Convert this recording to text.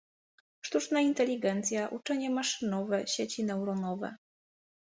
Sztuczna inteligencja, uczenie maszynowe, sieci neuronowe.